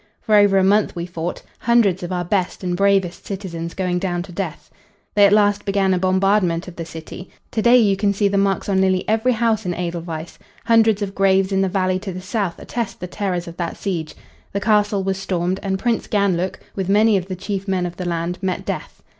For over a month we fought, hundreds of our best and bravest citizens going down to death. They at last began a bombardment of the city. To day you can see they marks on nearly every house in Edelweiss. Hundreds of graves in the valley to the south attest the terrors of that siege. The castle was stormed, and Prince Ganlook, with many of the chief men of the land, met death.